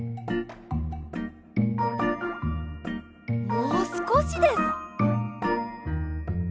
もうすこしです。